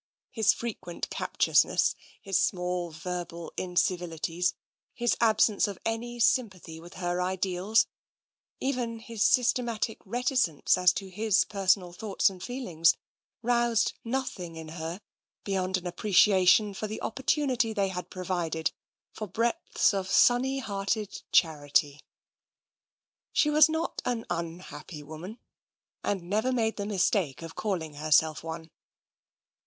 His frequent captiousness, his small verbal incivilities, his 142 TENSION absence of any s)mipathy with her ideals, even his systematic reticence as to his personal thoughts and feelings, roused nothing in her beyond an appreciation of the opportunity that they provided for breadths of sunny hearted charity. She was not an unhappy woman, and never made the mistake of calling her self one.